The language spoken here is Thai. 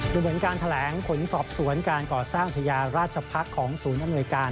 ดูเหมือนการแถลงผลสอบสวนการก่อสร้างพญาราชพักษ์ของศูนย์อำนวยการ